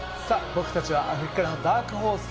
僕たちはアフリカのダークホース